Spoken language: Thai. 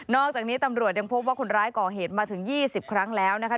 อกจากนี้ตำรวจยังพบว่าคนร้ายก่อเหตุมาถึง๒๐ครั้งแล้วนะคะ